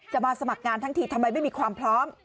มาสมัครงานทั้งทีทำไมไม่มีความพร้อม